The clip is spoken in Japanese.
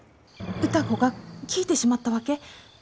歌子が聞いてしまったわけ。